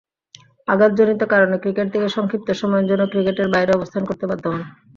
আঘাতজনিত কারণে ক্রিকেট থেকে সংক্ষিপ্ত সময়ের জন্য ক্রিকেটের বাইরে অবস্থান করতে বাধ্য হন।